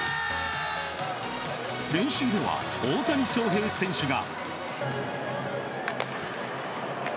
練習では大谷翔平選手が。